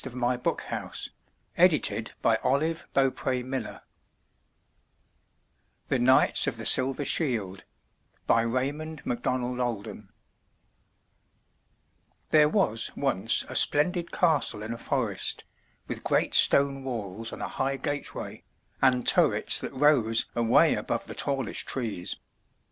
203 MY BOOK HOUSE THE KNIGHTS OF THE SILVER SHIELD* Raymond MacDonald Alden HERE was once a splendid castle in a forest, with great stone walls and a high gateway, and turrets that rose away above the tallest trees.